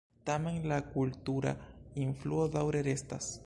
Tamen, la kultura influo daŭre restas.